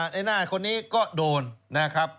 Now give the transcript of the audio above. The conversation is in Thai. ไอ้หน้าคนนี้ก็โดนนะครับ